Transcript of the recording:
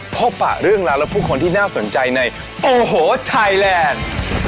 พบปะเรื่องราวและผู้คนที่น่าสนใจในโอ้โหไทยแลนด์